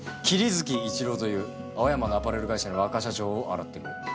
桐月一郎という青山のアパレル会社の若社長を洗ってくれ。